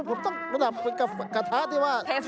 ผมต้องเติบกระท่าได้ว่า